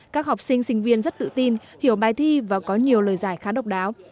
các học sinh sinh viên rất tự tin hiểu bài thi và có nhiều lời giải khá độc đáo